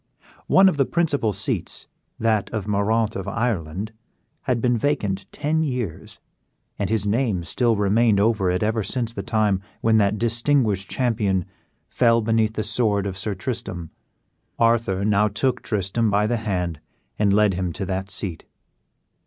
One of the principal seats, that of Moraunt of Ireland, had been vacant ten years, and his name still remained over it ever since the time when that distinguished champion fell beneath the sword of Sir Tristram. Arthur now took Tristram by the hand and led him to that seat.